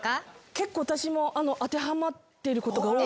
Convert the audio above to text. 結構私も当てはまってることが多くて。